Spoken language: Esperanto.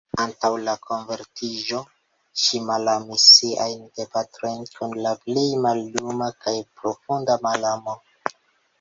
Antaŭ la konvertiĝo, ŝi malamis siajn gepatrojn kun la plej malluma kaj profunda malamo.